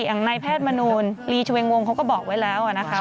อย่างนายแพทย์มนูลลีชเวงวงเขาก็บอกไว้แล้วนะคะ